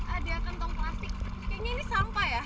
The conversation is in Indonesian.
ada kantong plastik kayaknya ini sampah ya